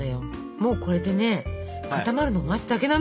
もうこれでね固まるのを待つだけなの。